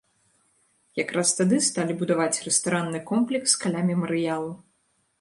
Якраз тады сталі будаваць рэстаранны комплекс каля мемарыялу.